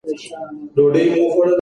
قيامتونه د چا د ناپوهۍ له امله راوورېدل؟